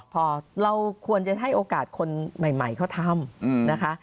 พอเราควรจะให้โอกาสคนใหม่เขาทำนะคะ